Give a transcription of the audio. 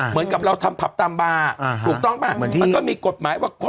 เหมือนกับเราทำพับตามบาร์อ่าฮะถูกต้องป่ะเหมือนที่มันก็มีกฎหมายว่า